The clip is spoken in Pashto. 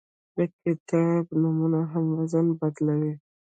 د کتاب نومونه هم وزن بدلوي.